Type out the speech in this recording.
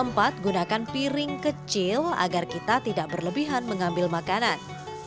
tempat gunakan piring kecil agar kita tidak berlebihan mengambil makanan